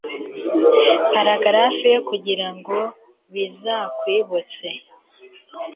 paragarafu yo kugira ngo bizakwibutse